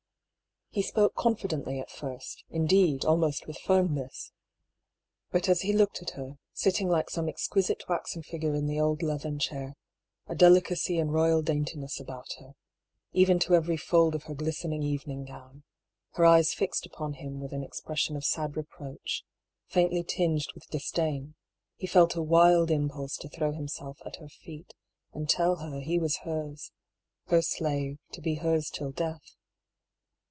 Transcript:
• He spoke confidently at first ; indeed, almost with firmness. But as he looked at her, sitting like some ex quisite waxen figure in the old leathern chair, a delicacy and royal daintiness about her, even to every fold of her glistening evening gown, her eyes fixed upon him with an expression of sad reproach, faintly tinged with dis dain, he felt a wild impulse to throw himself at her feet and tell her he was hers — her slave, to be hers till death.